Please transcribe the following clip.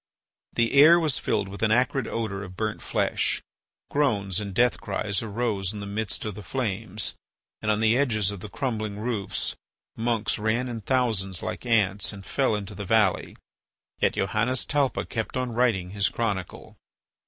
The air was filled with an acrid odour of burnt flesh. Groans and death cries arose in the midst of the flames, and on the edges of the crumbling roofs monks ran in thousands like ants, and fell into the valley. Yet Johannes Talpa kept on writing his Chronicle.